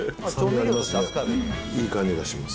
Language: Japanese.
いい感じがします。